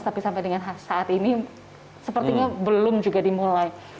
tapi sampai dengan saat ini sepertinya belum juga dimulai